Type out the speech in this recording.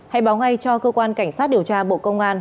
hãy báo ngay cho cơ quan cảnh sát điều tra bộ công an